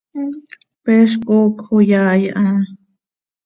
Peez coocj oo yaai ha.